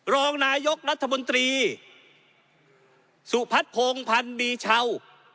รองนายกรัฐมนตรีสุพัฒนภงพันธ์มีเช่า